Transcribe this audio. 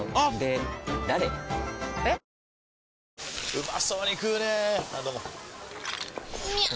うまそうに食うねぇあどうもみゃう！！